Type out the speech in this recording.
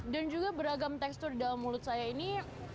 dan juga beragam tekstur dalam mulut saya ini